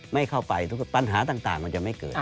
ไม่เข้าไปปัญหาต่างมันจะไม่เกิด